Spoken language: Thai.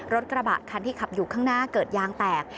รถกระบะคันที่ขับอยู่ข้างหน้าเกิดยางแตก